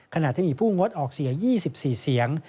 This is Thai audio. ขณะที่มีผู้งดออกเสียง๒๔เสียง